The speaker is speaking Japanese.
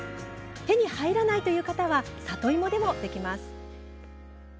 手に入らないという方は里芋でもできます。